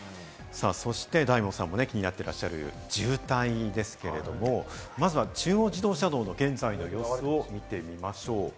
そして、大門さんも気になっている渋滞ですけれど、まずは中央自動車道の現在の様子を見てみましょう。